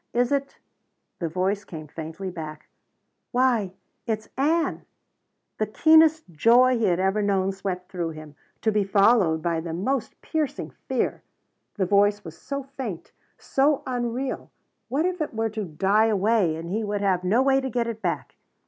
"Is it ?" The voice came faintly back, "Why it's Ann." The keenest joy he had ever known swept through him. To be followed by the most piercing fear. The voice was so faint so unreal what if it were to die away and he would have no way to get it back!